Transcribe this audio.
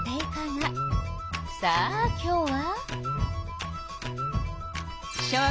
さあ今日は。